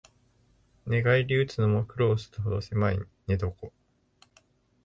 寝返りうつのも苦労するほどせまい寝床